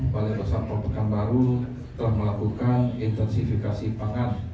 balai besar polpekanbaru telah melakukan intensifikasi pangan